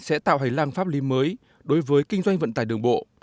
sẽ tạo hành lang pháp lý mới đối với kinh doanh vận tải đường bộ